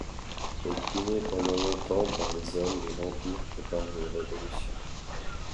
Opprimés pendant longtemps par les hommes, les vampires préparent une révolution.